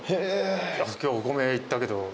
今日お米屋行ったけど。